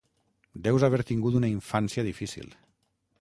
Deus haver tingut una infància difícil!